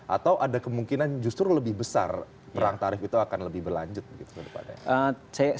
atau ada kemungkinan justru lebih besar perang tarif itu akan lebih berlanjut begitu ke depannya